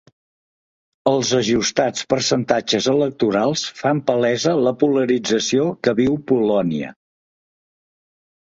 Els ajustats percentatges electorals fan palesa la polarització que viu Polònia.